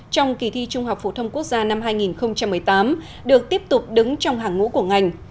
trong kỳ thi trung học phổ thông quốc gia năm hai nghìn một mươi tám được tiếp tục đứng trong hàng ngũ của ngành